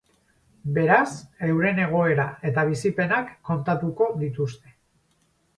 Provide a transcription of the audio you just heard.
Beraz, euren egoera eta bizipenak kontatuko dituzte.